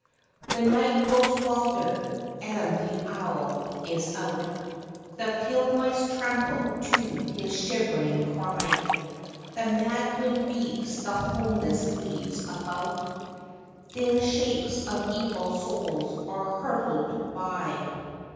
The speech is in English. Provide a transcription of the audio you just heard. The night grows wilder, and the owl is out, The field mice tremble to his shivering cry, The mad wind beats the homeless leaves about, Thin shapes of evil souls are hurtled by.